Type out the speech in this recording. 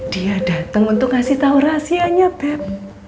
dia dateng untuk ngasih tau rahasianya beb